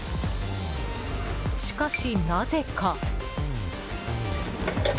しかし、なぜか。